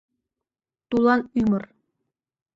Тулан ӱмыр